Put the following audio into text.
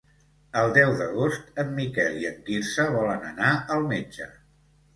El deu d'agost en Miquel i en Quirze volen anar al metge.